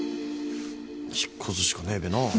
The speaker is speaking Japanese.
引っ越すしかねえべなぁ。